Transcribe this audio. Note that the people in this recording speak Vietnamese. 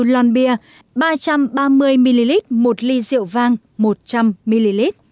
một lon bia ba trăm ba mươi ml một ly rượu vang một trăm linh ml